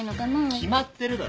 決まってるだろ。